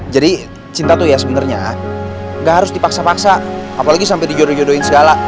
jadi cinta tuh ya sebenarnya enggak harus dipaksa paksa apalagi sampai dijodohin segala